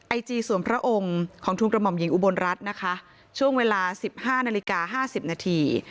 ไอจีส่วนพระองค์ของทุนกระหม่อมหญิงอุบลรัฐนะคะช่วงเวลาสิบห้านาฬิกา๕๐นาที